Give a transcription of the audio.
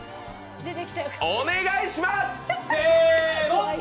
お願いします。